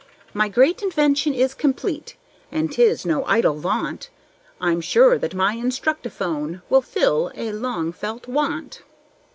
My great invention is complete, and 'tis no idle vaunt I'm sure that my Instructiphone will fill a long felt want.